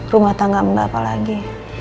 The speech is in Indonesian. rumah tangga mbak apa lagi